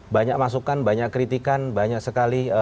banyak masukan banyak kritikan banyak sekali